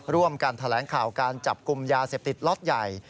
ร่วมกันแถลงข่าวการจับกลุ่มยาเสพติดล็อตใหญ่